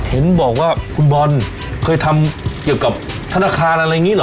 เห็นบอกว่าคุณบอลเคยทำเกี่ยวกับธนาคารอะไรอย่างนี้เหรอ